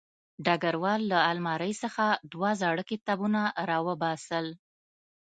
ډګروال له المارۍ څخه دوه زاړه کتابونه راوباسل